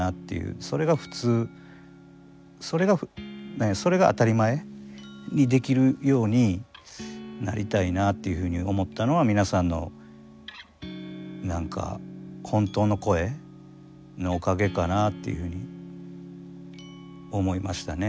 それが普通それが当たり前にできるようになりたいなっていうふうに思ったのは皆さんの何か本当の声のおかげかなっていうふうに思いましたね。